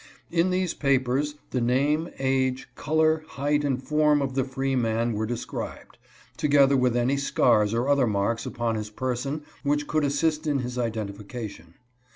In these papers the name, age, color, height and form of the free man were described, together with any scars or other marks upon his person which could assist in his identification.